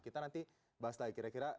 kita nanti bahas lagi kira kira